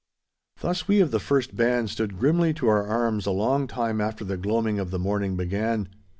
Thus we of the first band stood grimly to our arms a long time after the gloaming of the morning began.